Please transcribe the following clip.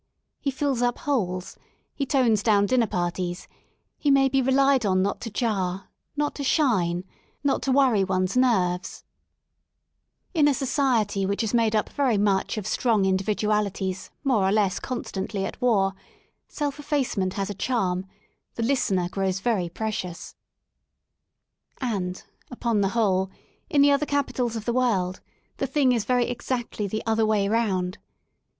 ' He fills up holes, he tones down dinner parties, he may { be relied on not to jar, not to shine — not to worry one's j 112 LONDON AT LEISURE nerves* In a society which is made up very much of strong individualities more or less constantly at war, self effacement has a charm ; the listener grows very precious. And, upon the whole^ in the other capitals of the world the thing is very exactly the other way round.